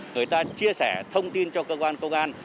người ta chia sẻ thông tin cho cơ quan công an